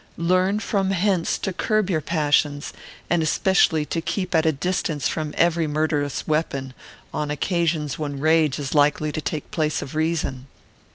Learn from hence to curb your passions, and especially to keep at a distance from every murderous weapon, on occasions when rage is likely to take place of reason.